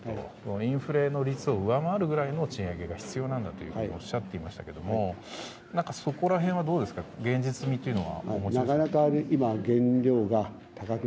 インフレの率を上回るくらいの賃上げが必要なんだとおっしゃっていましたけどもそこら辺はどうですか現実味というのは。